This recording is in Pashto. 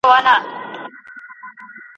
د زاغانو خرمستي وي نغمې ورکي له بلبل وي